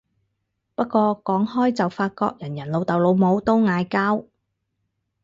不過講開就發覺人人老豆老母都嗌交